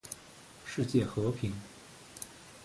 世界和平